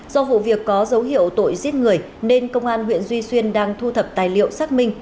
do vụ việc có dấu hiệu tội giết người nên công an huyện duy xuyên đang thu thập tài liệu xác minh